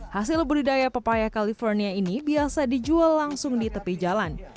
hasil budidaya pepaya california ini biasa dijual langsung di tepi jalan